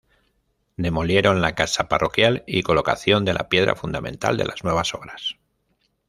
Demolieron la casa parroquial y colocación de la piedra fundamental de las nuevas obras.